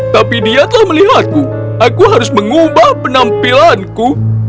tapi dia telah melihatku aku harus mengubah penampilanku